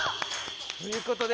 ということで。